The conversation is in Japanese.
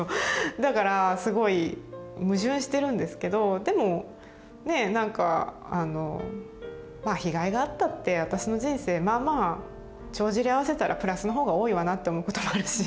だからすごい矛盾してるんですけどでもねなんか「まあ被害があったって私の人生まあまあ帳尻合わせたらプラスのほうが多いわな」って思うこともあるし。